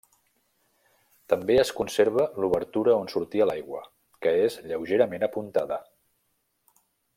També es conserva l'obertura on sortia l'aigua, que és lleugerament apuntada.